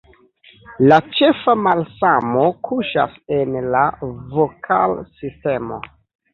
La ĉefa malsamo kuŝas en la vokalsistemo.